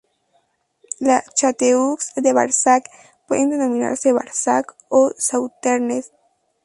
Los "châteaux" de Barsac pueden denominarse Barsac o Sauternes.